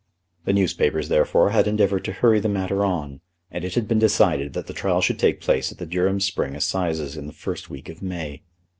The newspapers, therefore, had endeavoured to hurry the matter on, and it had been decided that the trial should take place at the Durham Spring Assizes, in the first week of May.